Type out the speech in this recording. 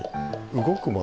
動くもの